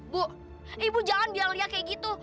bu ibu jangan biar lihat kayak gitu